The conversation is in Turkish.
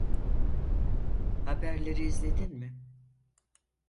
Haberleri izledin mi?